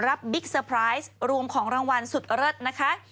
บิ๊กเซอร์ไพรส์รวมของรางวัลสุดเลิศนะคะ